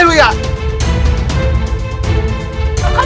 kabur kabur kabur